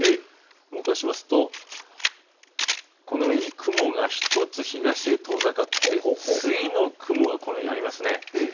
動かしますとこのように雲が１つ東に遠ざかって次の雲がここにありますね。